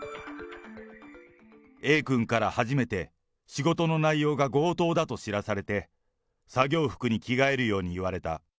Ａ君から初めて、仕事の内容が強盗だと知らされて、作業服に着替えるように言われた。